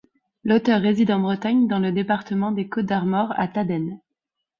L'auteur réside en Bretagne, dans le département des Côtes-d'Armor à Taden.